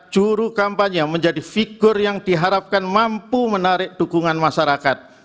juru kampanye menjadi figur yang diharapkan mampu menarik dukungan masyarakat